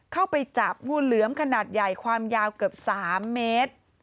เข้าไปจับงูเหลือมขนาดใหญ่ความยาวเกือบ๓เมตร